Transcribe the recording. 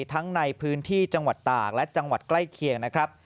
ทั้งในพื้นที่จังหวัดตากและจังหวัดใกล้เคียงนะครับ